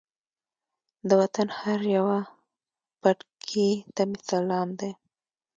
د وطن هر یوه پټکي ته مې سلام دی.